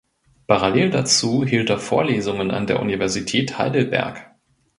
Parallel dazu hielt er Vorlesungen an der Universität Heidelberg.